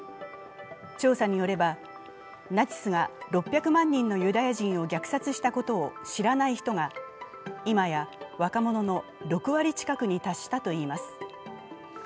調査によれば、ナチスが６００万人のユダヤ人を虐殺したことを知らない人が今や若者の６割近くに達したといいます。